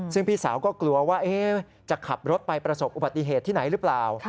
ซึ่งพี่สาวก็กลัวว่าจะขับรถไปประสบอุบัติเหตุที่ไหนหรือเปล่า